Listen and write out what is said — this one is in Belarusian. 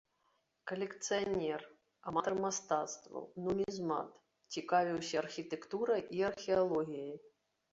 Калекцыянер, аматар мастацтваў, нумізмат, цікавіўся архітэктурай і археалогіяй.